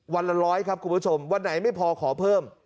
วันละร้อยครับคุณผู้ชมวันไหนไม่พอขอเพิ่ม